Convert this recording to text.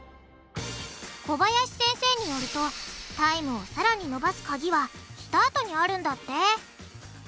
小林先生によるとタイムをさらにのばすカギはスタートにあるんだって！